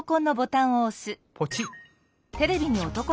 ポチッ！